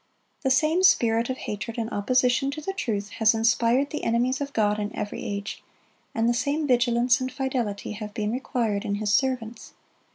(88) The same spirit of hatred and opposition to the truth has inspired the enemies of God in every age, and the same vigilance and fidelity have been required in His servants.